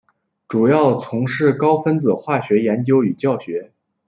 主要从事高分子化学研究与教学。